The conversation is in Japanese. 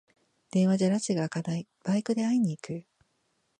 電話じゃらちがあかない、バイクで会いに行く